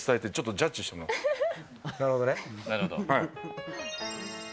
なるほどね。